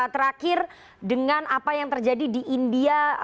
terakhir dengan apa yang terjadi di india